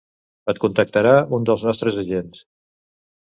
Et contactarà un dels nostres agents.